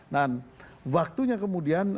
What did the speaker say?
dan waktunya kemudian